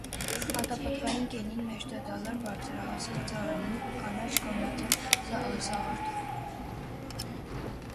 Հատապտղային կենին մշտադալար բարձրահասակ ծառ է՝ մուգ կանաչ կոնաձև սաղարթով։